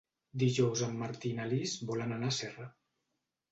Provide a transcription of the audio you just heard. Dijous en Martí i na Lis volen anar a Serra.